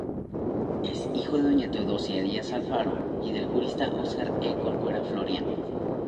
Es hijo de doña Teodosia Díaz Alfaro y del jurista Oscar E. Corcuera Florián.